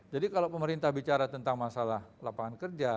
jadi kalau pemerintah bicara tentang masalah lapangan kerja